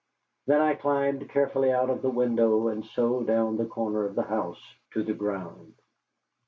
Then I climbed carefully out of the window, and so down the corner of the house to the ground.